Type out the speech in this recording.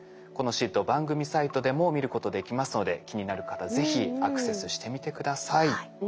このシート番組サイトでも見ることできますので気になる方是非アクセスしてみて下さい。